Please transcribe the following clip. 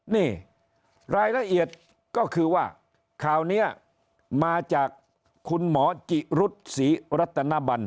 นี่รายละเอียดก็คือว่าข่าวนี้มาจากคุณหมอจิรุษศรีรัตนบัน